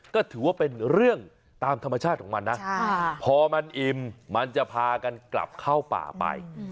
ก็ถือว่าเป็นเรื่องตามธรรมชาติของมันนะพอมันอิ่มมันจะพากันกลับเข้าป่าไป